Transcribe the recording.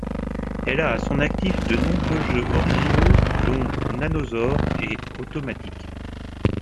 Elle a à son actif de nombreux jeux originaux dont Nanosaur et Otto Matic.